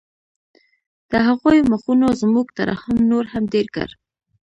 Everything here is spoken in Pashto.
د هغوی مخونو زموږ ترحم نور هم ډېر کړ